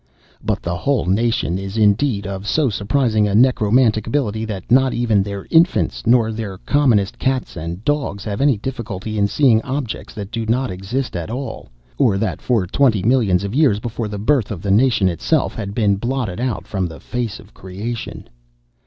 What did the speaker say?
But the whole nation is, indeed, of so surprising a necromantic ability, that not even their infants, nor their commonest cats and dogs have any difficulty in seeing objects that do not exist at all, or that for twenty millions of years before the birth of the nation itself had been blotted out from the face of creation.